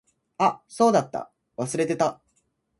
あ、そうだった。忘れてた。